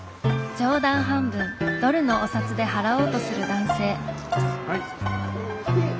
冗談半分ドルのお札で払おうとする男性。